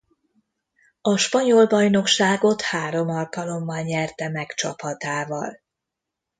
A spanyol bajnokságot három alkalommal nyerte meg csapatával.